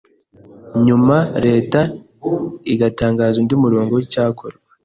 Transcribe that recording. nyuma Leta igatanga undi murongo w’icyakorwa